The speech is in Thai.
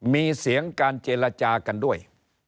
มีเสียงการเจรจากันด้วย